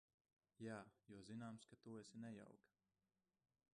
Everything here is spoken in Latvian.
Jā, jo zināms, ka tu esi nejauka.